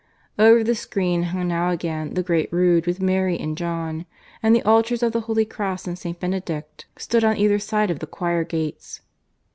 Over the screen hung now again the Great Rood with Mary and John; and the altars of the Holy Cross and St. Benedict stood on either side of the choir gates.